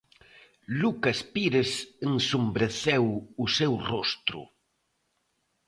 Lucas Pires ensombreceu o seu rostro.